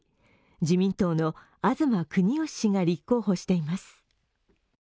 自民党の東国幹氏が立候補しています。